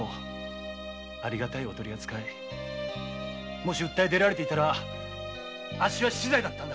もし訴え出られていたらあっしは死罪だったんだ。